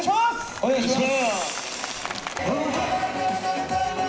お願いします。